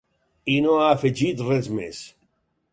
I no ha afegit res més.